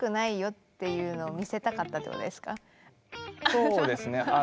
そうですね。